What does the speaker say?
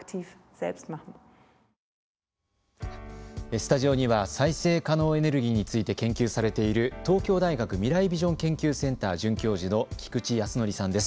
スタジオには再生可能エネルギーについて研究されている東京大学未来ビジョン研究センター准教授の菊池康紀さんです。